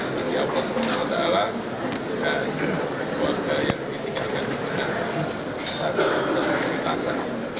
sisi allah swt dan keluarga yang diperhatikan dengan sangat berpikir terasa